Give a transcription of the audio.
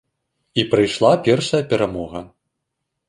І прыйшла першая перамога.